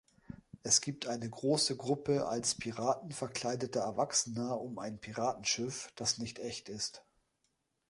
Es gibt eine große Gruppe als Piraten verkleideter Erwachsener um ein Piratenschiff, das nicht echt ist.